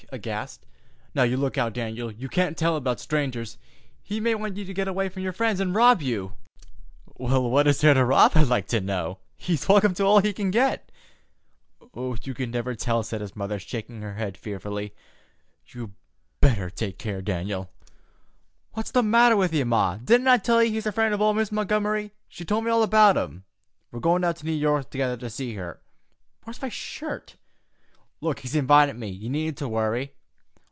"—aghast. "Now, you look out, Dan'l. You can't tell 'bout strangers. He may want to get you way from your friends an' rob you." "What is there to rob, I'd like to know? He's welcome to all he can get." "You never can tell," said his mother, shaking her head fearfully. "You better take care, Dan'l." "What's the matter with ye, Ma? Didn't I tell you he's a friend o' Miss Montgomery? She told me all about him. We're goin' down to New York together to see her. Where's my shirt? He's invited me. You needn't to worry.